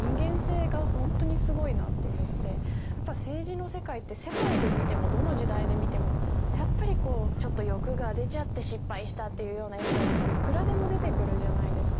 やっぱり政治の世界って世界で見てもどの時代で見てもやっぱりこうちょっと欲が出ちゃって失敗したっていうようなエピソードいくらでも出てくるじゃないですか。